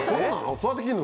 そうやって着んの？